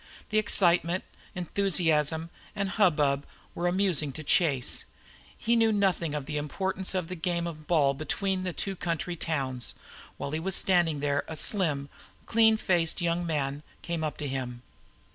The excitement, enthusiasm, and hubbub were amusing to Chase. He knew nothing of the importance of a game of ball between two country towns. While he was standing there a slim, clean faced young man came up to him.